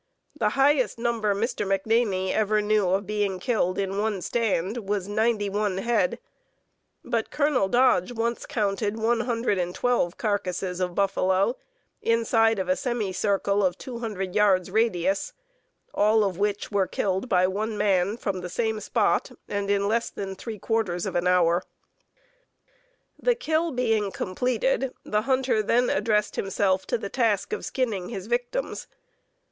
The highest number Mr. McNaney ever knew of being killed in one stand was ninety one head, but Colonel Dodge once counted one hundred and twelve carcasses of buffalo "inside of a semicircle of 200 yards radius, all of which were killed by one man from the same spot, and in less than three quarters of an hour." The "kill" being completed, the hunter then addressed himself to the task of skinning his victims.